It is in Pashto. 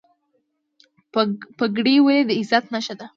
پګړۍ ولې د عزت نښه ده؟